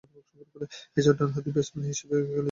এছাড়াও, ডানহাতি ব্যাটসম্যান হিসেবে খেলছেন তিনি।